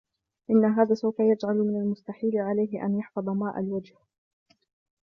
إن هذا سوف يجعل من المستحيل عليه أن يحفظ ماء الوجه.